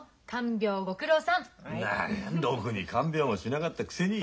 何ろくに看病もしなかったくせに。